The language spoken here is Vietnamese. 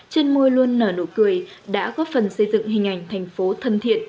trên môi luôn nở nụ cười đã góp phần xây dựng hình ảnh thành phố thân thiện